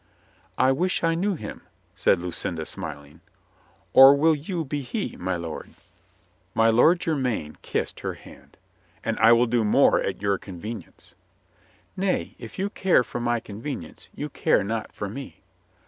"I wish I knew him," said Lucinda, smiling. "Or will you be he, my lord?" 132 COLONEL GREATHEART My Lord Jermyn kissed her hand. "And I will do more at your convenience." "Nay, if you care for my convenience, you care not for me."